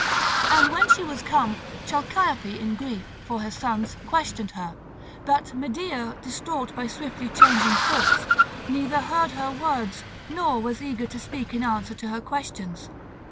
And when she was come Chalciope in grief for her sons questioned her; but Medea, distraught by swiftly changing thoughts, neither heard her words nor was eager to speak in answer to her questions.